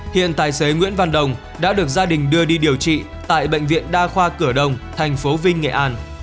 hiện tài xế nguyễn văn đồng đã được gia đình đưa đi điều trị tại bệnh viện đa khoa cửa đồng thành phố vinh nghệ an